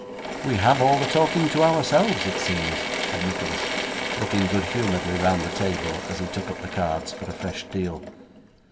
'We have all the talking to ourselves, it seems,' said Nicholas, looking good humouredly round the table as he took up the cards for a fresh deal.